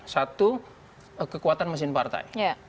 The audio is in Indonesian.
satu kekuatan mesin partai